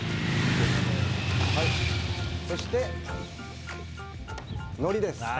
そして、のりです。